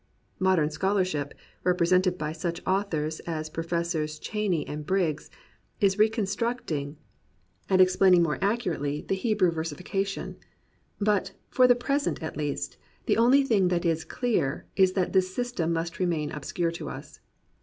Modern scholarship, represented by such authors as Professors Cheyne and Briggs, is re constructing and explaining more accurately the 39 COMPANIONABLE BOOKS Hebrew versification. But, for the present at least, the only thing that is clear is that this systenx must remain obscure to us.